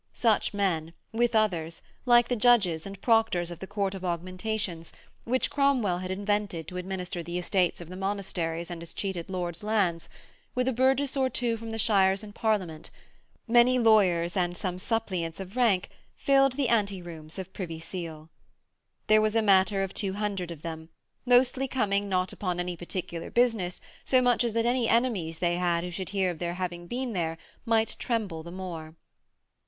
Such men, with others, like the judges and proctors of the Court of Augmentations, which Cromwell had invented to administer the estates of the monasteries and escheated lords' lands, with a burgess or two from the shires in Parliament, many lawyers and some suppliants of rank, filled the anterooms of Privy Seal. There was a matter of two hundred of them, mostly coming not upon any particular business so much as that any enemies they had who should hear of their having been there might tremble the more.